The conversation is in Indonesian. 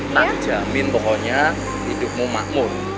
tak jamin pokoknya hidupmu makmur